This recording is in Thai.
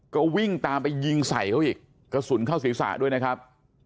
ก็วิ่งตามไปยิงใส่เขาอีกกระสุนเข้าศีรษะด้วยนะครับ